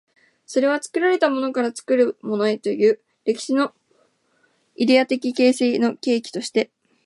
それは作られたものから作るものへという歴史のイデヤ的形成の契機として、